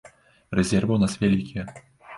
Рэзервы ў нас вялікія.